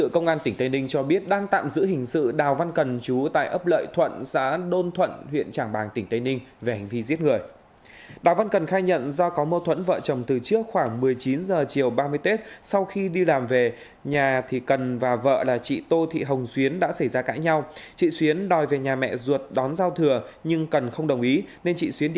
các bạn hãy đăng ký kênh để ủng hộ kênh của chúng mình nhé